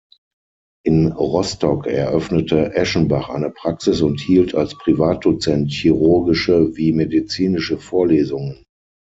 In Rostock eröffnete Eschenbach eine Praxis und hielt als Privatdozent chirurgische wie medizinische Vorlesungen.